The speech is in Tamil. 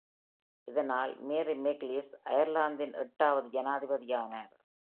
இதனால், மேரி மெக்லீஸ் அயர்லாந்தின் எட்டாவது ஜனாதிபதியானார்.